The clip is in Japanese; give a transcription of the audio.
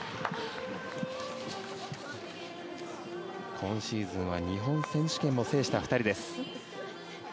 今シーズンは日本選手権も制した２人です。